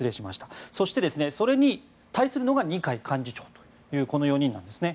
そして、それに対するのが二階幹事長というこの４人なんですね。